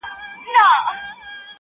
خوله يوه ښه ده، خو خبري اورېدل ښه دي.